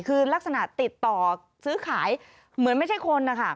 คือลักษณะติดต่อซื้อขายเหมือนไม่ใช่คนนะคะ